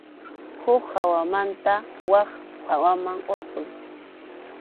Huk hawamanta wak hawaman hurquy.